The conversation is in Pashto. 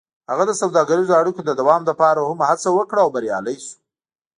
هغه د سوداګریزو اړیکو د دوام لپاره هم هڅه وکړه او بریالی شو.